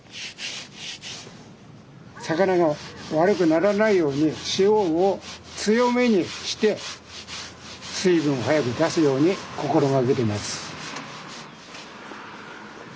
魚が悪くならないように塩を強めにして水分を早く出すように心掛けてます。